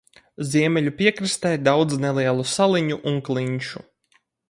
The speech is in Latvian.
Ziemeļu piekrastē daudz nelielu saliņu un klinšu.